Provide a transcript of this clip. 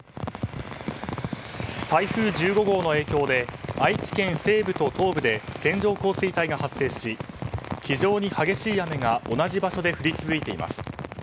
台風１５号の影響で愛知県西部と東部で線状降水帯が発生し非常に激しい雨が同じ場所で降り続いています。